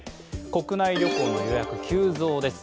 国内旅行の予約急増です。